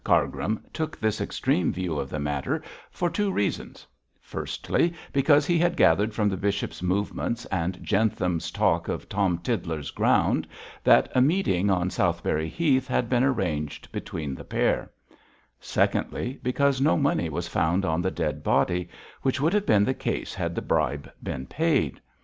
Cargrim took this extreme view of the matter for two reasons; firstly, because he had gathered from the bishop's movements, and Jentham's talk of Tom Tiddler's ground, that a meeting on Southberry Heath had been arranged between the pair; secondly, because no money was found on the dead body, which would have been the case had the bribe been paid.